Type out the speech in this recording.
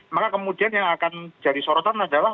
maka kemudian yang akan jadi sorotan adalah